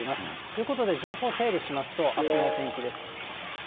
ということで、情報整理しますと、あすのお天気です。